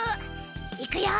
いくよ。